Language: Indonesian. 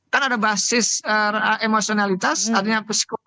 karena ada basis emosionalitas artinya psikologi